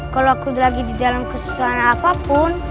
kalau aku lagi di dalam kesusahan apapun